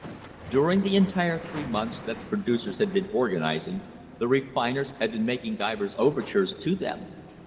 During the entire three months that the producers had been organising, the refiners had been making divers overtures to them.